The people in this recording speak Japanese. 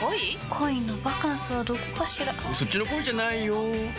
恋のバカンスはどこかしらそっちの恋じゃないよ